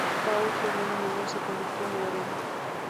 Paul, su hermano menor, se convirtió en abogado.